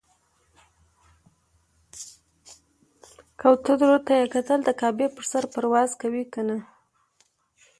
کوترو ته یې کتل چې د کعبې پر سر پرواز کوي کنه.